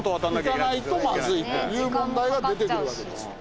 行かないとまずいという問題が出てくるわけですよ。